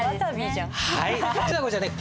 じゃあこちらね。